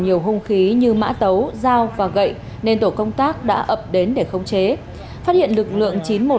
nhiều hung khí như mã tấu dao và gậy nên tổ công tác đã ập đến để khống chế phát hiện lực lượng